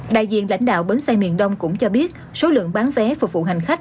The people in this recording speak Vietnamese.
đại diện lãnh đạo bến xe miền đông cũng cho biết số lượng bán vé phục vụ hành khách